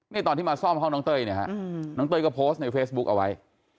นี่ตอนที่มาซ่อมห้องน้องเต้ยเนี่ยฮะน้องเต้ยก็โพสต์ในเฟซบุ๊กเอาไว้